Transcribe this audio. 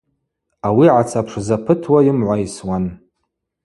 Ауи гӏацапшзапытуа йымгӏвайсуан.